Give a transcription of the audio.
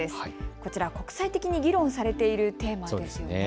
こちら国際的に議論されているテーマなんですよね。